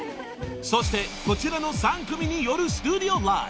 ［そしてこちらの３組によるスタジオライブ。